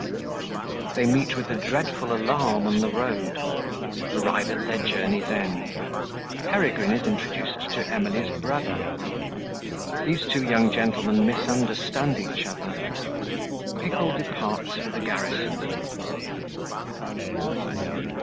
They meet with a dreadful Alarm on the Road Arrive at their Journey's end Peregrine is introduced to Emily's Brother These two young Gentlemen misunderstand each other Pickle departs for the Garrison.